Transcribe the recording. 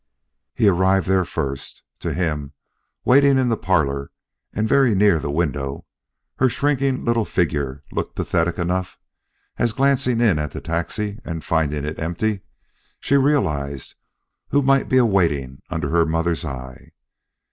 He arrived there first. To him, waiting in the parlor and very near the window, her shrinking little figure looked pathetic enough, as glancing in at the taxi, and finding it empty, she realized who might be awaiting her under her mother's eye.